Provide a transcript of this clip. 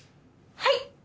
はい！